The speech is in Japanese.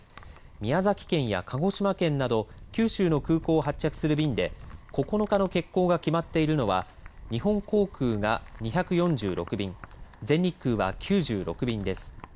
宮崎県や鹿児島県など九州の空港を発着する便で９日の欠航が決まっているのは日本航空が２４６便全日空は９６便です。